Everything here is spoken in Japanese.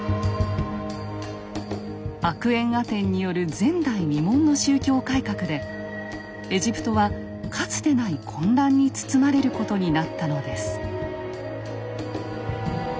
アクエンアテンによる前代未聞の宗教改革でエジプトはかつてない混乱に包まれることになったのです。